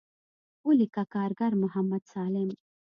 وليکه کارګر محمد سالم.